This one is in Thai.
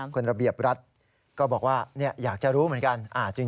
คนระเบียบรัฐก็บอกว่าอยากจะรู้เหมือนกัน